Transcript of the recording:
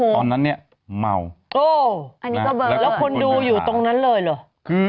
ตอนนั้นเนี่ยเมาโอ้แล้วคนดูอยู่ตรงนั้นเลยเหรอ